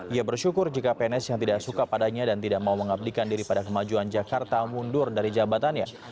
ia bersyukur jika pns yang tidak suka padanya dan tidak mau mengabdikan diri pada kemajuan jakarta mundur dari jabatannya